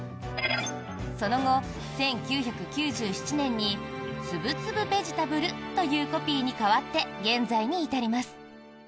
その後、１９９７年に「つぶつぶベジタブル」というコピーに変わって現在に至ります。